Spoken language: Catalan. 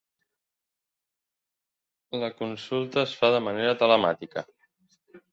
La consulta es fa de manera telemàtica.